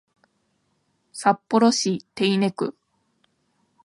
札幌市手稲区